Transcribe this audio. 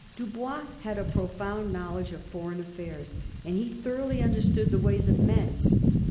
Dubois had a profound knowledge of foreign affairs, and he thoroughly understood the ways of men.